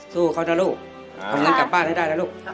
สู้เขานะลูกคุณกับป้าได้ได้นะลูก